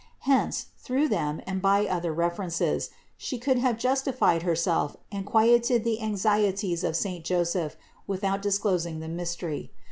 Hence, through them and by other references, She could have justified Herself and quieted the anxieties of saint Joseph without disclosing the mystery.